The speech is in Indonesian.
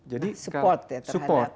jadi support ya terhadap si anak